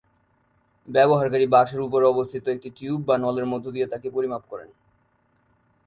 ব্যবহারকারী বাক্সের উপরে অবস্থিত একটি টিউব বা নলের মধ্যে দিয়ে তাকিয়ে পরিমাপ করেন।